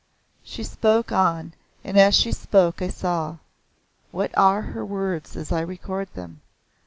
She spoke on, and as she spoke I saw. What are her words as I record them?